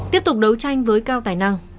tiếp tục đấu tranh với cao tài năng